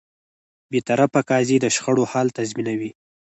بېطرفه قاضی د شخړو حل تضمینوي.